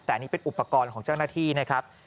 แต่อันนี้เป็นอุปกรณ์ของเจ้าหน้าที่นะครับ